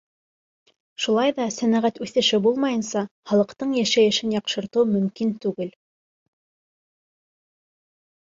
Шулай ҙа, сәнәғәт үҫеше булмайынса, халыҡтың йәшәйешен яҡшыртыу мөмкин түгел.